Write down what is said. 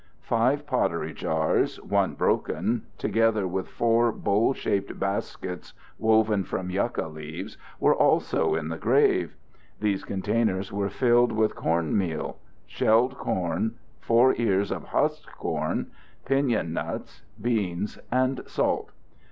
Five pottery jars, one broken, together with four bowl shaped baskets woven from yucca leaves, were also in the grave. These containers were filled with cornmeal, shelled corn, four ears of husked corn, pinyon nuts, beans, and salt.